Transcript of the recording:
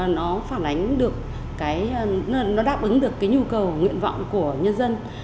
nó phản ánh được cái nó đáp ứng được cái nhu cầu nguyện vọng của nhân dân